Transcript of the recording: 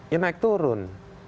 ya naik turun